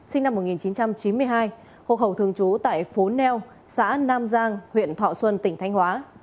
sinh năm một nghìn chín trăm chín mươi hai hộ khẩu thường trú tại phố neo xã nam giang huyện thọ xuân tỉnh thanh hóa